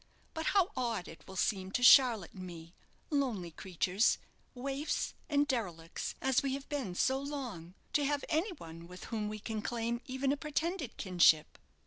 But how odd it will seem to Charlotte and me, lonely creatures, waifs and derelicts as we have been so long, to have any one with whom we can claim even a pretended kinship!"